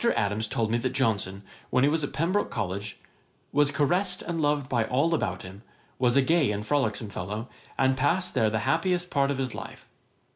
Adams told me that Johnson, while he was at Pembroke College, 'was caressed and loved by all about him, was a gay and frolicksome fellow, and passed there the happiest part of his life.'